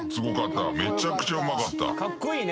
めちゃくちゃうまかった。